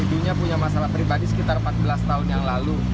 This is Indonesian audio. ibunya punya masalah pribadi sekitar empat belas tahun yang lalu